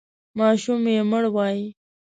ماشوم یې مړوئ!